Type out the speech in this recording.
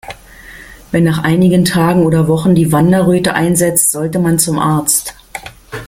Wenn nach einigen Tagen oder Wochen die Wanderröte einsetzt, sollte man zum Arzt.